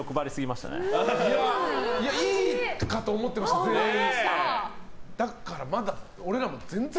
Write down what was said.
でも、いいかと思ってました全員。